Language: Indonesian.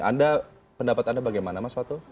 anda pendapat anda bagaimana mas fatul